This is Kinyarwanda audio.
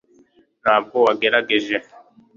ntabwo wagerageje